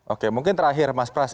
oke mungkin terakhir mas pras